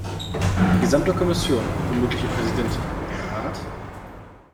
Die gesamte Kommission, womöglich ihr Präsident, der Rat?